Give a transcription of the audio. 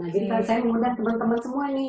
jadi saya mengundang teman teman semua nih